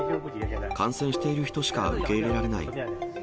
感染している人しか受け入れられない。